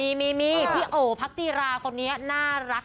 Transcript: เอามีมีพี่โอ๋พักตีรากับนี้น่ารัก